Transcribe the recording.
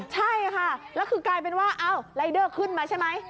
ใช่ค่ะแล้วคือกลายเป็นว่ารายเดอร์ขึ้นมาใช่ไหม